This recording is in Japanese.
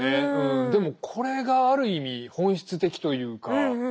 でもこれがある意味本質的というか。